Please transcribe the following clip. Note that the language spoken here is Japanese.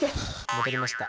戻りました。